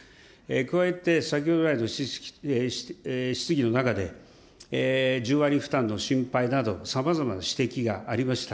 加えて、先ほど来の質疑の中で、１０割負担の心配など、さまざまな指摘がありました。